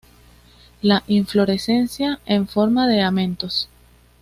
La inflorescencia en forma de amentos.